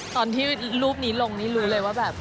ตอนที่รูปนี้ลงนี่รู้เลยว่าแบบ